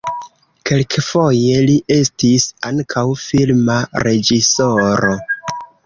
Kelkfoje li estis ankaŭ filma reĝisoro.